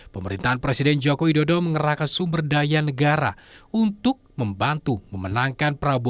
pemerintahan presiden joko widodo mengerahkan sumber daya negara untuk membantu memenangkan prabowo